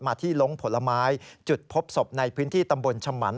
ที่ลงผลไม้จุดพบศพในพื้นที่ตำบลชะมัน